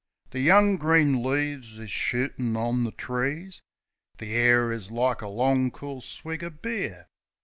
The young green leaves is shootin' on the trees. The air is like a long, cool swig o' beer.